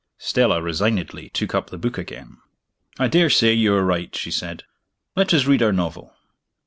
Stella resignedly took up the book again. "I daresay you are right," she said. "Let us read our novel."